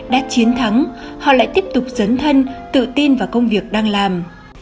đã chiến thắng họ lại tiếp tục dấn thân tự tin vào công việc đang làm